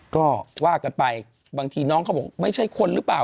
ก็ว่ากันไปบางทีน้องเขาบอกไม่ใช่คนหรือเปล่า